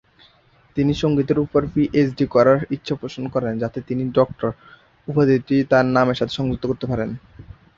তিনি সংগীতের উপর পিএইচডি করার ইচ্ছা পোষণ করেন যাতে তিনি "ডক্টর" উপাধিটি তার নামের সাথে সংযুক্ত করতে পারেন।